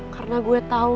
karena gue tau